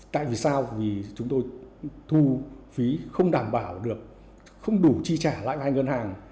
tại vì sao vì chúng tôi thu phí không đảm bảo được không đủ chi trả lại với hai ngân hàng